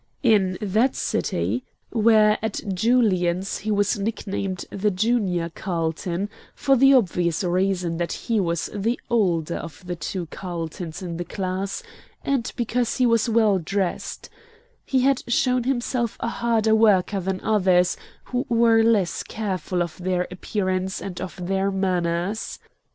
In that city (where at Julian's he was nicknamed the junior Carlton, for the obvious reason that he was the older of the two Carltons in the class, and because he was well dressed) he had shown himself a harder worker than others who were less careful of their appearance and of their manners.